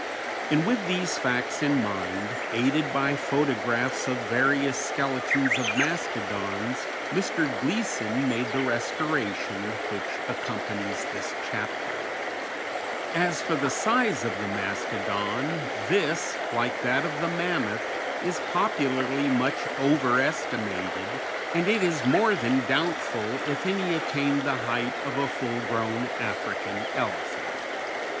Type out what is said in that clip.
And with these facts in mind, aided by photographs of various skeletons of mastodons, Mr. Gleeson made the restoration which accompanies this chapter. [Illustration: Fig. 40. The Mastodon. From a drawing by J. M. Gleeson.] As for the size of the mastodon, this, like that of the mammoth, is popularly much over estimated, and it is more than doubtful if any attained the height of a full grown African elephant.